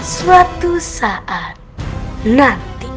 suatu saat nanti